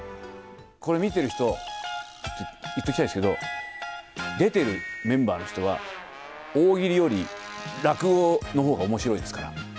これ見てる人、言っておきたいんですけど、出てるメンバーの人は、大喜利より落語のほうがおもしろいですから。